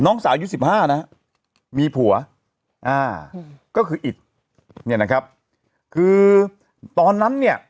น้องสาวยุคสิบห้านะฮะมีผัวอ่าก็คืออิฐเนี้ยนะครับคือตอนนั้นเนี้ย